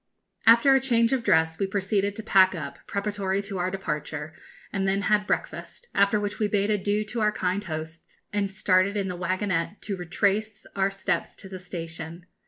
After a change of dress, we proceeded to pack up, preparatory to our departure, and then had breakfast, after which we bade adieu to our kind hosts, and started in the waggonette to retrace our steps to the station.